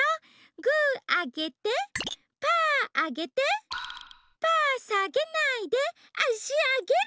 グーあげてパーあげてパーさげないであしあげる！